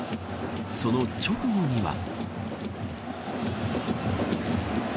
その直後には。